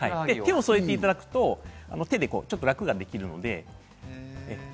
手を添えていただくと、手で楽ができるので。